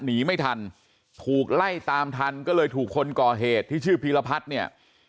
หนีไม่ทันถูกไล่ตามทันก็เลยถูกคนก่อเหตุที่ชื่อพีรพัฒน์เนี่ย